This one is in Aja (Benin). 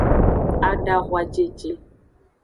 Adahwajeje.